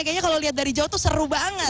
kayaknya kalau lihat dari jauh tuh seru banget